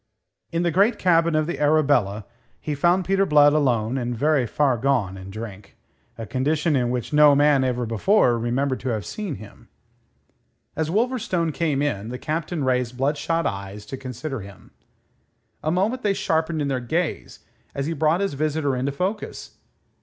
In the great cabin of the Arabella he found Peter Blood alone and very far gone in drink a condition in which no man ever before remembered to have seen him. As Wolverstone came in, the Captain raised bloodshot eyes to consider him. A moment they sharpened in their gaze as he brought his visitor into focus.